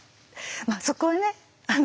そこはね